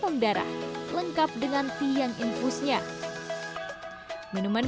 di ruangan belakang ini dapat intentong bangunan allows beli ganja berisika belum ber referencing pixari tinggi berat biologi